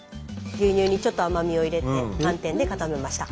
牛乳にちょっと甘みを入れて寒天で固めました。